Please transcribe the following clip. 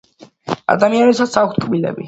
ადამიანებსაც აქვთ კბილები